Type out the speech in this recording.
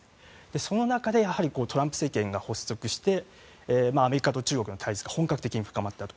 その中でトランプ政権が発足してアメリカと中国の対立が本格的に高まったと。